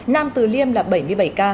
nam từ liêm là bảy mươi bảy ca